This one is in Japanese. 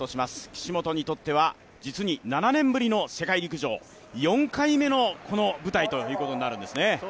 岸本にとっては実に７年ぶりの世界陸上４回目のこの舞台ということになるんですね。